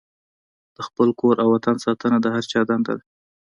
د خپل کور او وطن ساتنه د هر چا دنده ده.